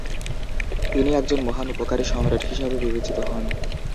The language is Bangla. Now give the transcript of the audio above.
তিনি একজন মহান উপকারী সম্রাট হিসাবে বিবেচিত হন।